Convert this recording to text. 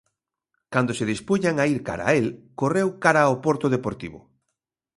Cando se dispuñan a ir cara a el, correu cara ao porto deportivo.